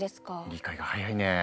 理解が早いねぇ。